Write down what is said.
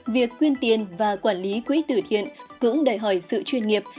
việc quyên tiền và quản lý quỹ tử thiện cũng đòi hỏi sự chuyên nghiệp